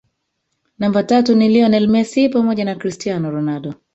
Namba tatu ni Lionel Messi pamoja na Christiano Ronaldo